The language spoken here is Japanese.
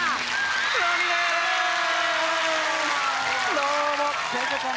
どうも！